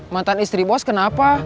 mantan istri bos kenapa